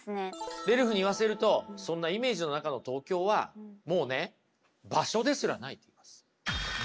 レルフに言わせるとそんなイメージの中の東京はもうね場所ですらない。